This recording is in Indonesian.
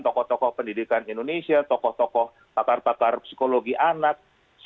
tokoh tokoh pendidikan indonesia tokoh tokoh pakar pakar psikologi anak